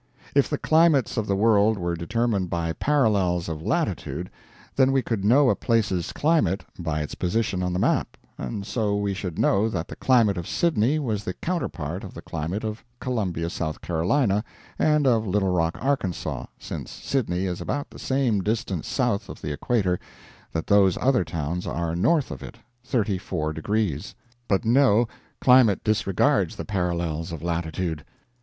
If the climates of the world were determined by parallels of latitude, then we could know a place's climate by its position on the map; and so we should know that the climate of Sydney was the counterpart of the climate of Columbia, S. C., and of Little Rock, Arkansas, since Sydney is about the same distance south of the equator that those other towns are north of it thirty four degrees. But no, climate disregards the parallels of latitude.